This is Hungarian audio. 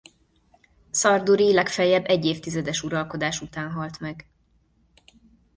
Szarduri legfeljebb egy évtizedes uralkodás után halt meg.